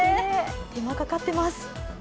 手間、かかってます。